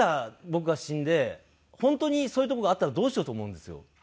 僕が死んで本当にそういうとこがあったらどうしようと思うんですよ。